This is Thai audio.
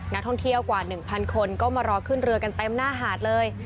นักท่องเที่ยวกว่า๑๐๐คนก็มารอขึ้นเรือกันเต็มหน้าหาดเลย